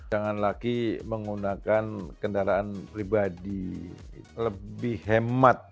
jangan lagi menggunakan kendaraan pribadi lebih hemat